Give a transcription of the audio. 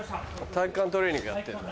体育館トレーニングやってんだ。